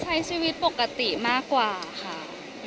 ใช้ชีวิตปกติมากกว่าค่ะ